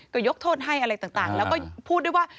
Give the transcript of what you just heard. ก็ยกโทษให้อะไรต่างแล้วก็พูดด้วยว่า